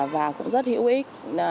và cũng rất hữu ích